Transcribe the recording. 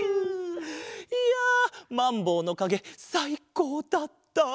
いやまんぼうのかげさいこうだった！